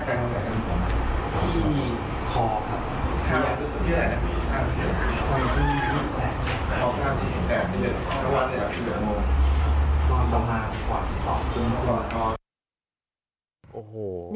ตอนต่อมากกว่า๒ปีก่อน